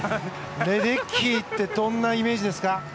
レデッキーってどんなイメージですか？